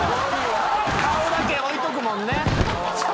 「顔だけ置いとくもんね」